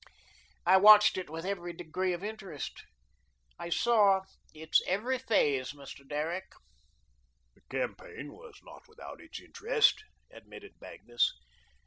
I watched it with every degree of interest. I saw its every phase, Mr. Derrick." "The campaign was not without its interest," admitted Magnus.